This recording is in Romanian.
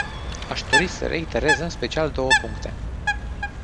Aș dori să reiterez în special două puncte.